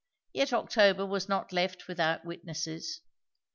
Yet October was not left without witnesses.